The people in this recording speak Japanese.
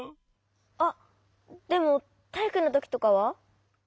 あっでもたいいくのときとかは？